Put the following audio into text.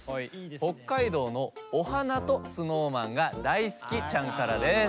北海道のお花とＳｎｏｗＭａｎが大好きちゃんからです。